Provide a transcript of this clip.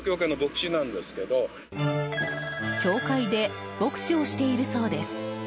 教会で牧師をしているそうです。